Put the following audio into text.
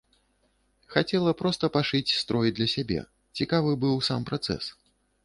Хацела проста пашыць строй для сябе, цікавы быў сам працэс.